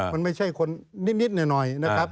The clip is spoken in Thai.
มันไม่ใช่คนนิดหน่อยนะครับ